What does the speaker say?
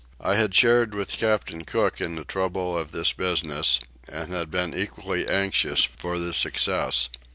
I had shared with Captain Cook in the trouble of this business and had been equally anxious for the success.